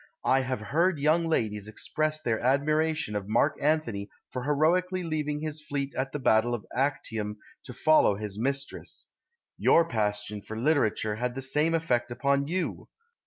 I have heard young ladies express their admiration of Mark Antony for heroically leaving his fleet at the Battle of Actium to follow his mistress. Your passion for literature had the same effect upon you.